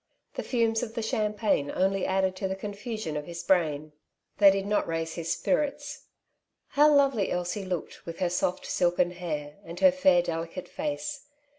The fumes of the champagne only added to the confusion of his brain ; they did not raise his spirits. How lovely Elsie looked, with her soft silken hair, and her fair, delicate face